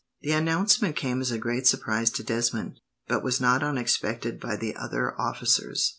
The announcement came as a great surprise to Desmond, but was not unexpected by the other officers.